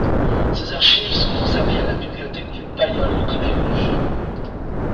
Ses archives sont conservées à la bibliothèque du Balliol College.